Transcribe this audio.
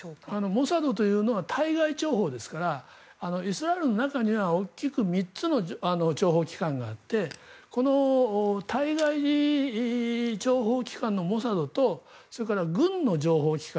モサドというのは対外諜報ですからイスラエルの中には大きく３つの諜報機関があってこの対外情報機関のモサドとそれから軍の情報機関